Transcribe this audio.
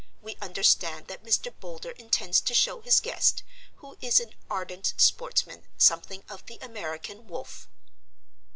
We understand that Mr. Boulder intends to show his guest, who is an ardent sportsman, something of the American wolf."